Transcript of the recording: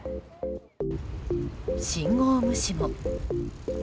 信号無視も。